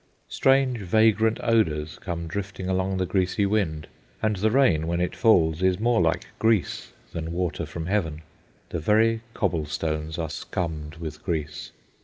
Strange, vagrant odours come drifting along the greasy wind, and the rain, when it falls, is more like grease than water from heaven. The very cobblestones are scummed with grease.